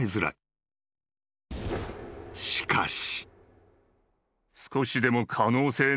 ［しかし］